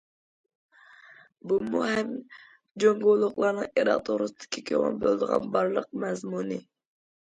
بۇمۇ ھەم جۇڭگولۇقلارنىڭ ئىراق توغرىسىدىكى كۆڭۈل بۆلىدىغان بارلىق مەزمۇنى.